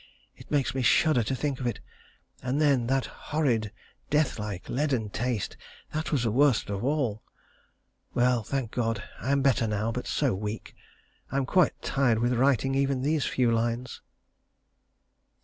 It makes me shudder to think of it. And, then, that horrid, deathlike, leaden taste that was worst of all. Well, thank God! I am better now, but so weak. I am quite tired with writing even these few lines....